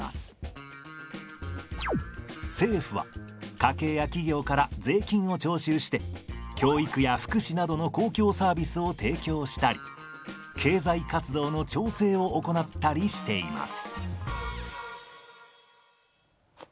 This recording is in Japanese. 政府は家計や企業から税金を徴収して教育や福祉などの公共サービスを提供したり経済活動の調整を行ったりしています。